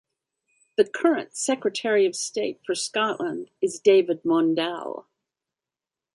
The current Secretary of State for Scotland is David Mundell.